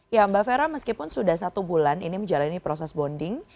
ya mbak fera meskipun sudah satu bulan ini menjalani proses bonding